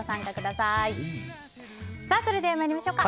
さあ、それでは参りましょうか。